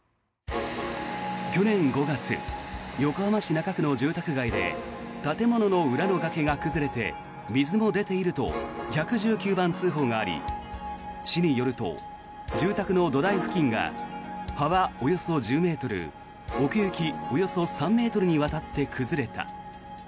去年５月横浜市中区の住宅街で建物の裏の崖が崩れて水も出ていると１１９番通報があり市によると、住宅の土台付近が幅およそ１０ｍ奥行きおよそ３ｍにわたって崩れた。